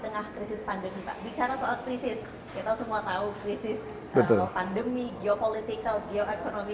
apakah krisis pandemi pak bicara soal krisis kita semua tahu krisis pandemi geopolitical geoeconomik